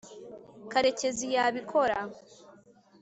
karekezi yabikora